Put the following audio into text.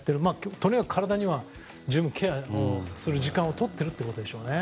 とにかく体を十分ケアする時間をとってるってことでしょうね。